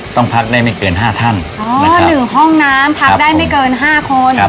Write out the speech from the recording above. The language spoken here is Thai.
ต้องพักได้ไม่เกินห้าท่านอ๋อหนึ่งห้องน้ำพักได้ไม่เกินห้าคนครับ